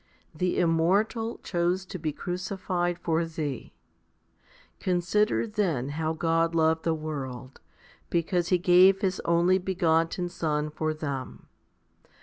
The Immortal chose to be crucified for thee. Consider then how God loved the world, because He gave His only begotten Son for them.